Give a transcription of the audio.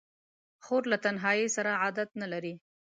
خور له تنهایۍ سره عادت نه لري.